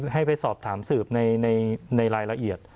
ให้ไปสอบถามสืบในรายละเอียด